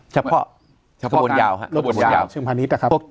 เฉพาะการรถยาวของเชียงพาณิชย์อ่ะครับ